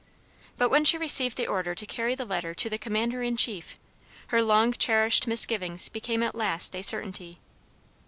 But when she received the order to carry the letter to the commander in chief, her long cherished misgivings became at last a certainty.